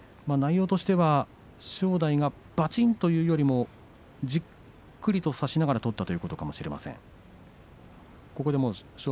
内容としては正代がバチンというよりもじっくりと差しながら取ったというところかもしれません。